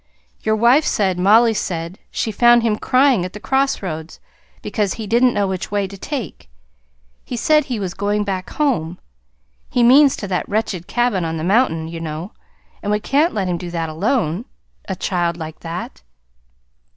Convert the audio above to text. "Your wife said Mollie said she found him crying at the crossroads, because he didn't know which way to take. He said he was going back home. He means to that wretched cabin on the mountain, you know; and we can't let him do that alone a child like that!"